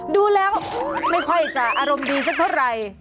ดูแล้วไม่ค่อยจะอารมณ์ดีสักเท่าไหร่